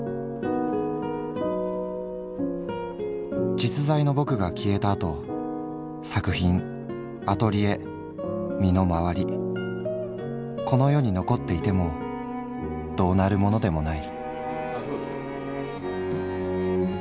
「実在のぼくが消えたあと作品アトリエ身の回りこの世に残っていてもどうなるものでもない」。